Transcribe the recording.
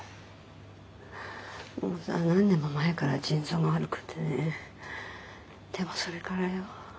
もうさ何年も前から腎臓が悪くてねでもそれからよ。